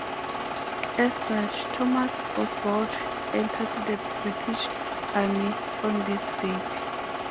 As such Thomas Oswald entered the British Army on this date.